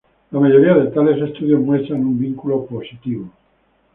La mayoría de tales estudios muestra un vínculo positivo.